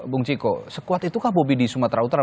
bung ciko sekuat itukah bobi di sumatera utara